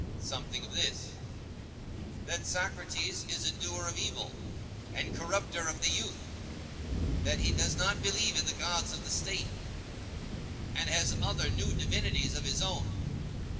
Something of this sort: That Socrates is a doer of evil, and corrupter of the youth, and he does not believe in the gods of the State, and has other new divinities of his own.